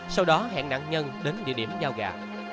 sau đó hẹn nạn nhân đến địa điểm giao gà